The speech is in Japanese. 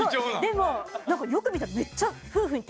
でもよく見たらめっちゃ。